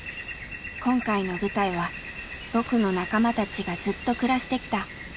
今回の舞台は僕の仲間たちがずっと暮らしてきたやんばるの森。